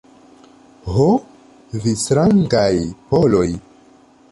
Ho, vi strangaj Poloj!